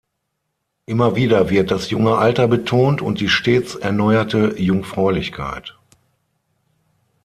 Immer wieder wird das junge Alter betont und die stets erneuerte Jungfräulichkeit.